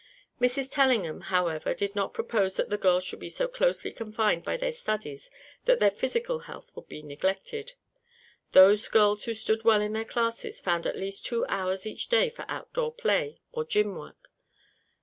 Mrs. Tellingham, however, did not propose that the girls should be so closely confined by their studies that their physical health would be neglected. Those girls who stood well in their classes found at least two hours each day for outdoor play or gym work.